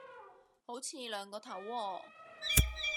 好似兩個頭喎